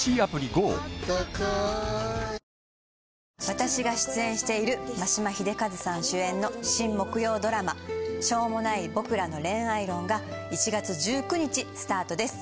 私が出演している眞島秀和さん主演の新木曜ドラマ『しょうもない僕らの恋愛論』が１月１９日スタートです。